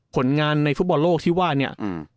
ผลงานในฟุตบอลโลกที่ว่าเนี่ย